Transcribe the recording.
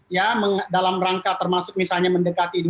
ya dalam rangka termasuk misalnya mendekati